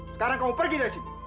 sekarang kamu pergi dari sini